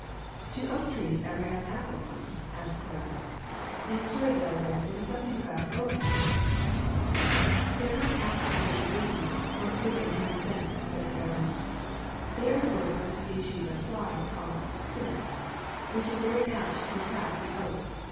"Do oak trees ever have apples on 'em?" asked Clara. "In a story that I read there was something about 'oak apples.'" [Illustration: THE OAK GALL INSECT (Cynips).] "They are not apples such as we eat, or fruit in any sense," said her governess. "They are the work of a species of fly called Cynips, which is very apt to attack the oak.